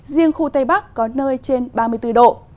riêng khu tây bắc có nơi trên ba mươi bốn độ